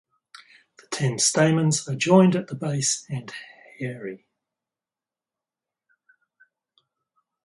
The ten stamens are joined at the base and hairy.